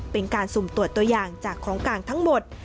เป็นการสุ่มตรวจตัวอย่างจากของกลางทั้งหมด